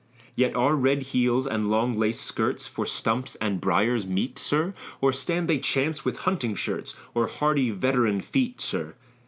Yet are red heels and long laced skirts, For stumps and briars meet, sir? Or stand they chance with hunting shirts, Or hardy veteran feet, sir?